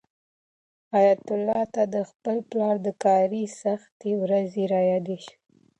حیات الله ته د خپل پلار د کاري سختۍ ورځې رایادې شوې.